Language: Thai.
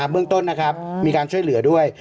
เบื้องต้นนะครับมีการช่วยเหลือด้วย